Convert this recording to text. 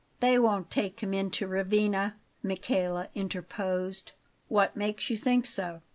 "They won't take him in to Ravenna," Michele interposed. "What makes you think so?"